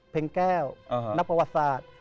แก้วนักประวัติศาสตร์